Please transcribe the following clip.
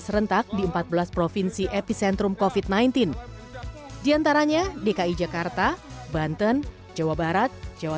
serentak di empat belas provinsi epicentrum kofit sembilan belas diantaranya dki jakarta banten jawa barat jawa